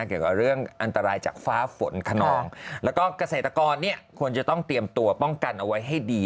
เกี่ยวกับเรื่องอันตรายจากฟ้าฝนขนองแล้วก็เกษตรกรเนี่ยควรจะต้องเตรียมตัวป้องกันเอาไว้ให้ดี